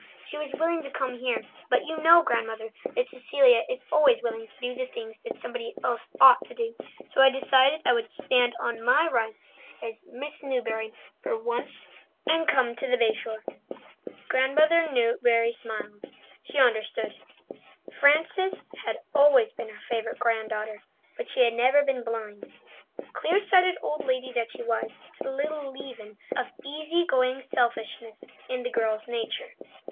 "She was willing to come here, but you know, Grandmother, that Cecilia is always willing to do the things somebody else ought to do, so I decided I would stand on my rights as 'Miss Newbury' for once and come to the Bay Shore." Grandmother Newbury smiled. She understood. Frances had always been her favourite granddaughter, but she had never been blind, clear sighted old lady that she was, to the little leaven of easy going selfishness in the girl's nature.